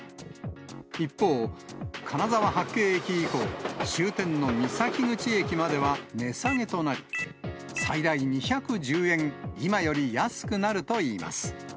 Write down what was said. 一方、金沢八景駅以降、終点の三崎口駅までは値下げとなり、最大２１０円、今より安くなるといいます。